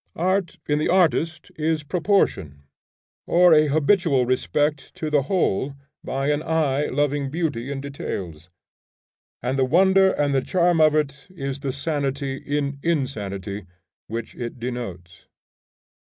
Art, in the artist, is proportion, or a habitual respect to the whole by an eye loving beauty in details. And the wonder and charm of it is the sanity in insanity which it denotes.